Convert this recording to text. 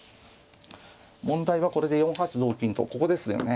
問題はこれで４八同金とここですよね。